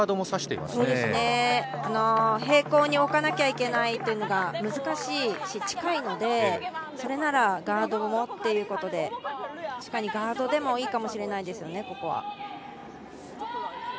平行に置かなきゃいけないというのが難しいし、近いのでそれならガードもということで確かにガードでもいいかもしれないですよね、ここは。